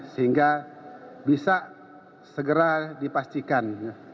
sehingga bisa segera dipastikan